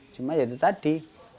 cuma seperti tadi